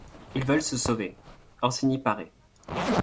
Ils veulent se sauver ; Orsini paraît.